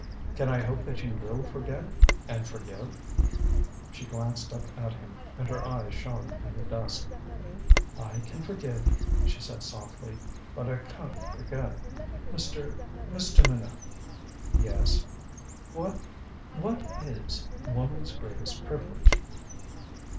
"Can I hope that you will forget and forgive?" She glanced up at him, and her eyes shone in the dusk. "I can forgive," she said softly. "But I can't forget. Mr. Mr. Minot " "Yes?" "What what is woman's greatest privilege?"